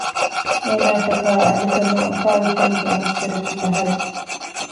އޭނާއަށްޓަކައި އަލިކަމާއި އުފާވެރިކަމުގެ މަޞްދަރަކީ އަހަރެން